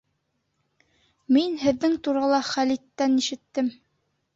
Мин һеҙҙең турала Хәлиттән ишеттем